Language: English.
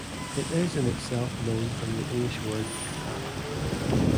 It is in itself loaned from the English word "half".